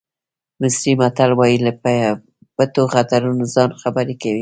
مصري متل وایي له پټو خطرونو ځان خبر کړئ.